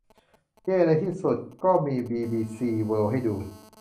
เย่ ในที่สุดก็มีบีบีซีเวิลด์ให้ดู